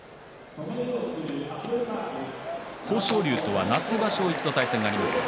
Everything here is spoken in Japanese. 豊昇龍とは夏場所一度対戦がありました。